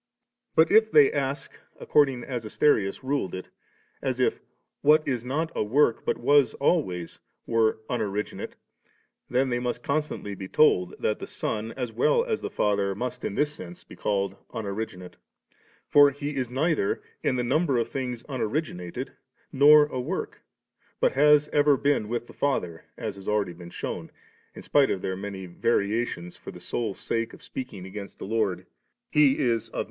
But if they ask according as Asterius ruled it, as if 'what is not a work but was alwavs ' were unoriginate^ then they must constantly be told that tiie Son as well as the Father must in this sense be called unoriginate. For He is neither in the number of things originated, nor a work, but has ever been with the Father, as has already been shewn, in spite of their many variations for the sole sake of speaking against the Lord, S The two first senses here given answer to the two nret mm^ tiooed, dg Deer, § s8.